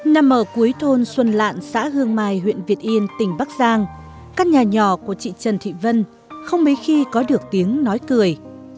nằm ở cuối thôn xuân lạn xã hương mai huyện việt yên tỉnh bắc giang các nhà nhỏ của chị trần thị vân không mấy khi có được tiếng nói cười